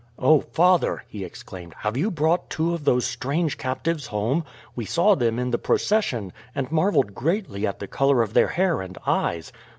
"Oh, father!" he exclaimed, "have you brought two of those strange captives home? We saw them in the procession, and marveled greatly at the color of their hair and eyes.